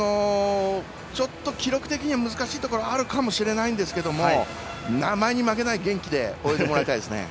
ちょっと記録的には難しいところがあるかもしれませんが名前に負けない元気で泳いでもらいたいですね。